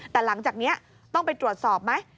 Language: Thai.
แต่หลังจากนี้ต้องไปตรวจสอบไหม